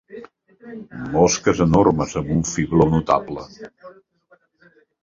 Mosques enormes amb un fibló notable.